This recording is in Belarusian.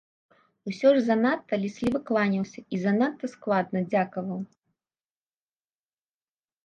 Усё ж занадта лісліва кланяўся і занадта складна дзякаваў.